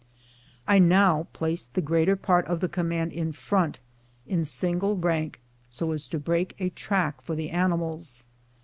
I now placed the greater part of the command in front, in single rank, so as to break a track for the animals.